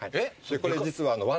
これ実は。